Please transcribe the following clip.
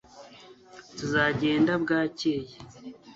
tuzagenda bwacyeye